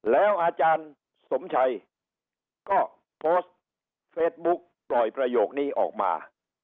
แล้วอาจารย์สมชัยก็โพสต์เฟซบุ๊กปล่อยประโยคนี้ออกมา